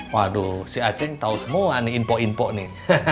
waduh si acing tahu semua ini info info ini